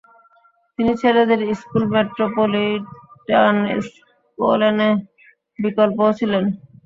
তিনি ছেলেদের স্কুল মেট্রোপলিটানস্কোলেনে বিকল্পও ছিলেন।